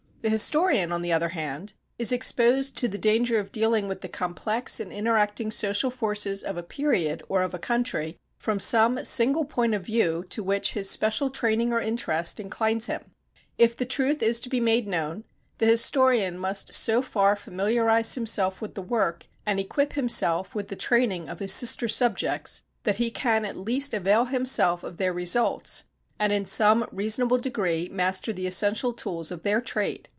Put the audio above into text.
The historian, on the other hand, is exposed to the danger of dealing with the complex and interacting social forces of a period or of a country, from some single point of view to which his special training or interest inclines him. If the truth is to be made known, the historian must so far familiarize himself with the work, and equip himself with the training of his sister subjects that he can at least avail himself of their results and in some reasonable degree master the essential tools of their trade.